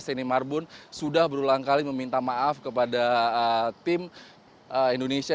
seni marbun sudah berulang kali meminta maaf kepada tim indonesia